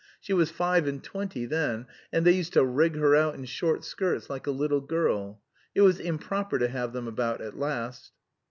She was five and twenty then, and they used to rig her out in short skirts like a little girl. It was improper to have them about at last."